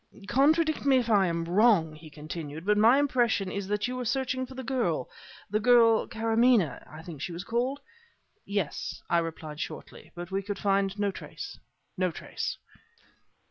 "Contradict me if I am wrong," he continued; "but my impression is that you were searching for the girl the girl Karamaneh, I think she was called?" "Yes," I replied shortly; "but we could find no trace no trace."